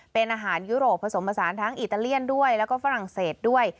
เป็นอาหารยุโรปผสมผสานทั้งอิตาเลียนด้วยแล้วก็ฝรั่งเศสด้วย